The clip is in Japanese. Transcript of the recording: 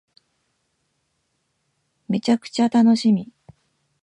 めちゃくちゃ楽しみ